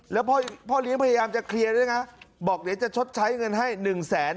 แล้วพ่อเลี้ยงพยายามจะเคลียร์ด้วยนะบอกเดี๋ยวจะชดใช้เงินให้๑แสน